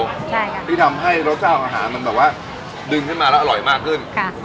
ใช่ค่ะที่ทำให้รสชาติอาหารมันแบบว่าดึงขึ้นมาแล้วอร่อยมากขึ้นค่ะ